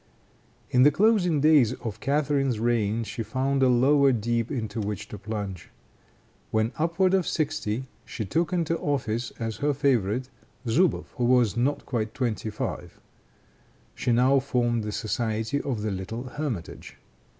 In the closing days of Catharine's reign she found a lower deep into which to plunge. When upward of sixty, she took into office, as her favorite, Zuboff, who was not quite twenty five. She now formed the Society of the Little Hermitage.